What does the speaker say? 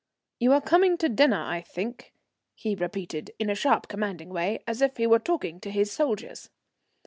"You are coming to dinner, I think," he repeated in a sharp commanding way, as if he were talking to his soldiers.